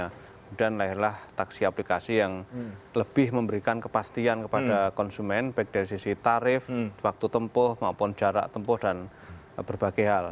kemudian lahirlah taksi aplikasi yang lebih memberikan kepastian kepada konsumen baik dari sisi tarif waktu tempuh maupun jarak tempuh dan berbagai hal